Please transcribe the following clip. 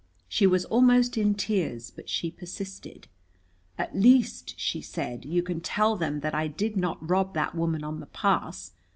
She was almost in tears, but she persisted. "At least," she said, "you can tell them that I did not rob that woman on the pass.